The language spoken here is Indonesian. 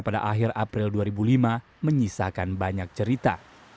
pada akhir april dua ribu lima menyisakan banyak cerita